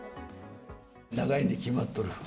長いに決まっとる。